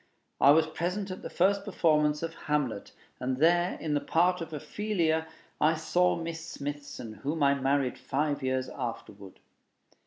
I was present at the first performance of 'Hamlet,' and there, in the part of Ophelia, I saw Miss Smithson, whom I married five years afterward.